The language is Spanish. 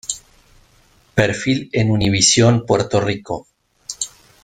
Perfil en Univision Puerto Rico